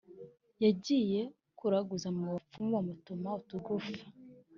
Yagiye kuraguza mubapfumu bamutuma utugufa